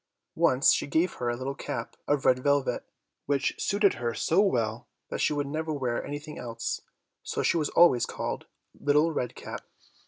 Once she gave her a little cap of red velvet, which suited her so well that she would never wear anything else; so she was always called "Little Red Cap."